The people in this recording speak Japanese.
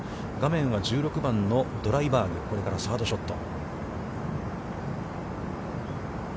画面は１６番のドライバーグ、これからサードショット。